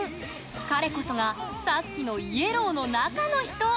彼こそがさっきのイエローの中の人。